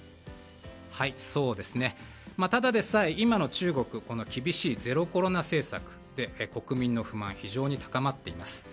ただでさえ今の中国は厳しいゼロコロナ政策で国民の不満非常に高まっています。